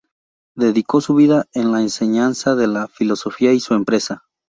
Dedicó su vida a la enseñanza de la Filosofía y su empresa.